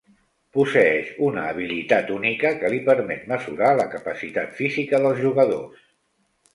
Posseeix una habilitat única que li permet mesura la capacitat física dels jugadors.